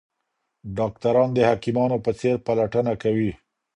ډاکټران د حکیمانو په څېر پلټنه کوي.